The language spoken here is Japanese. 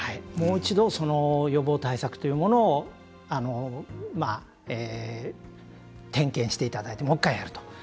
もう一度予防対策というものを点検していただいてもう１回やると。